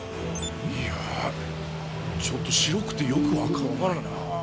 いやちょっと白くてよく分からないな。